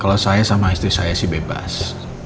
kalau saya sama istri saya sih bebas